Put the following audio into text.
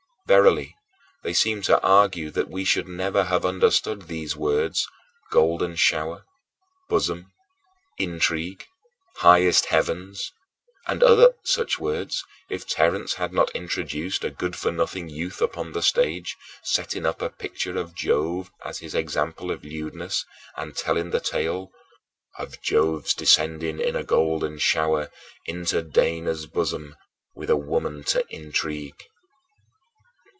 Verily, they seem to argue that we should never have understood these words, "golden shower," "bosom," "intrigue," "highest heavens," and other such words, if Terence had not introduced a good for nothing youth upon the stage, setting up a picture of Jove as his example of lewdness and telling the tale "Of Jove's descending in a golden shower Into Danae's bosom... With a woman to intrigue."